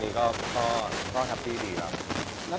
คือเราคุยกันเหมือนเดิมตลอดเวลาอยู่แล้วไม่ได้มีอะไรสูงแรง